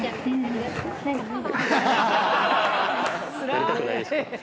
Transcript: なりたくないですか？